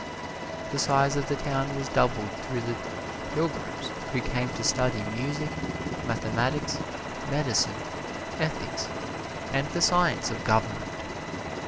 The size of the town was doubled through the pilgrims who came to study music, mathematics, medicine, ethics and the science of government.